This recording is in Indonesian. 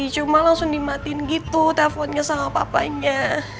cuma langsung dimatin gitu telfonnya sama papanya